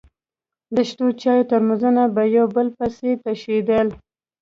د شنو چايو ترموزونه به يو په بل پسې تشېدل.